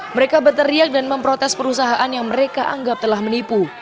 mereka berteriak dan memprotes perusahaan yang mereka anggap telah menipu